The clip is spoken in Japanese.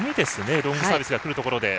ロングサービスがくるところで。